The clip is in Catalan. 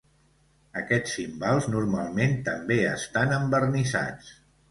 Aquests címbals normalment també estan envernissats.